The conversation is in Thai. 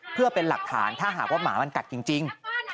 เพื่อเป็นหลักฐานถ้าหากว่าหมามันกัดจริง